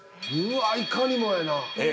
うわっいかにもやなええ